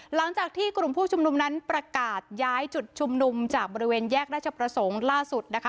หลังจากที่กลุ่มผู้ชุมนุมนั้นประกาศย้ายจุดชุมนุมจากบริเวณแยกราชประสงค์ล่าสุดนะคะ